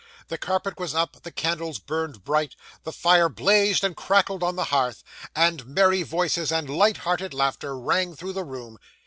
The carpet was up, the candles burned bright, the fire blazed and crackled on the hearth, and merry voices and light hearted laughter rang through the room.